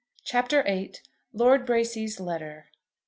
CHAPTER VIII. LORD BRACY'S LETTER.